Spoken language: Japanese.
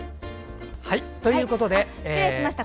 失礼しました。